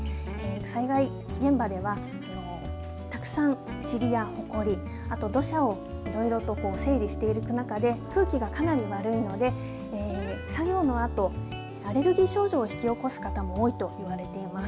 災害現場ではたくさん、ちりやほこりあと土砂をいろいろと整理していく中で空気がかなり悪いので作業のあとアレルギー症状を引き起こす方も多いと言われています。